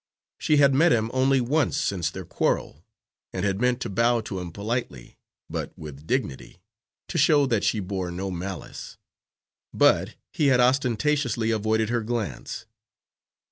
She had met him only once since their quarrel, and had meant to bow to him politely, but with dignity, to show that she bore no malice; but he had ostentatiously avoided her glance.